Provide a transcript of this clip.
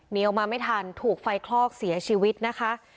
ออกมาไม่ทันถูกไฟคลอกเสียชีวิตนะคะ